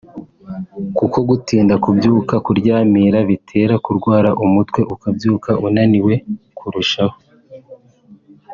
kuko gutinda kubyuka (kuryamira) bitera kurwara umutwe ukabyuka unaniwe kurushaho